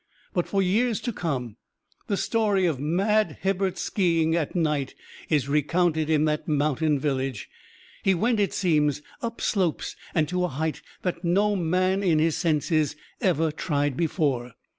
But for years to come the story of "mad Hibbert's" ski ing at night is recounted in that mountain village. He went, it seems, up slopes, and to a height that no man in his senses ever tried before.